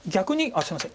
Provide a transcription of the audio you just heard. あっすいません。